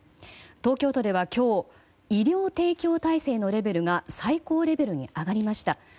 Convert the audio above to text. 東京都では今日、医療提供体制のレベルが最高レベルに上がりました。